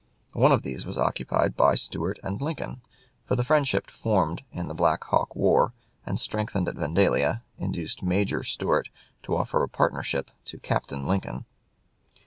One of these was occupied by Stuart and Lincoln, for the friendship formed in the Black Hawk war and strengthened at Vandalia induced "Major" Stuart to offer a partnership to "Captain" Lincoln.